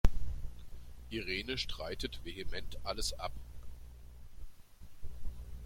Irene streitet vehement alles ab.